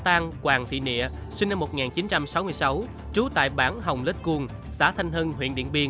thuộc địa phận bán hồng lết cuông xã thanh hưng huyện điện biên